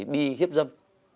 đi hiếp dâm